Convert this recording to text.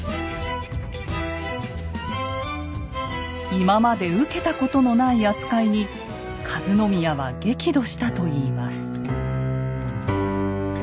今まで受けたことのない扱いに和宮は激怒したといいます。